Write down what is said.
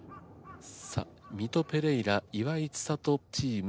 さあミトペレイラ・岩井千怜チーム